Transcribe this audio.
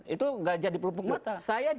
itu gajah di pelupuk mata